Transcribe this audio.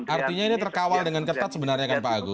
artinya ini terkawal dengan ketat sebenarnya kan pak agus